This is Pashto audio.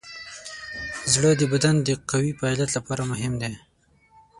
زړه د بدن د قوي فعالیت لپاره مهم دی.